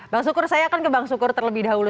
bang sukur saya akan ke bang sukur terlebih dahulu